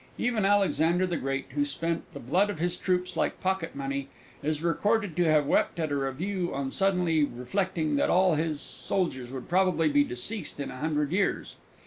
Even Alexander the Great, who spent the blood of his troops like pocket money, is recorded to have wept at a review on suddenly reflecting that all his soldiers would probably be deceased in a hundred years.